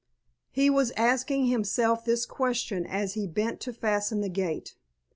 He was asking himself this question as he bent to fasten the gate.